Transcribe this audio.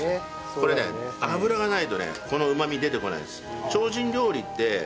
これね油がないとねこのうまみ出てこないんです。